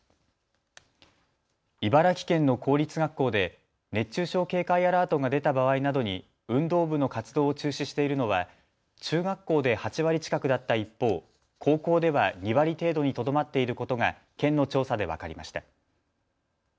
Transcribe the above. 茨城県の公立学校で熱中症警戒アラートが出た場合などに運動部の活動を中止しているのは中学校で８割近くだった一方、高校では２割程度にとどまっていることが県の調査で分かりました。